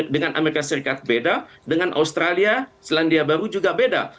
dengan amerika serikat beda dengan australia selandia baru juga beda